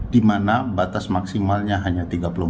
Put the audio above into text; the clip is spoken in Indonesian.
dimana batas maksimalnya hanya tiga puluh empat